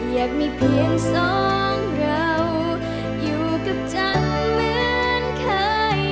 อยากมีเพียงสองเราอยู่กับฉันเหมือนเคย